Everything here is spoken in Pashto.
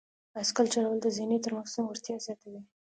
بایسکل چلول د ذهني تمرکز وړتیا زیاتوي.